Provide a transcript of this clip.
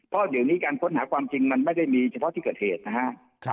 เพราะเดี๋ยวนี้การค้นหาความจริงมันไม่ได้มีเฉพาะที่เกิดเหตุนะครับ